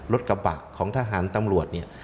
รถกระบะของทหารตำรวจ